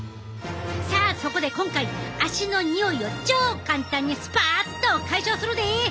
さあそこで今回足のにおいを超簡単にスパッと解消するで！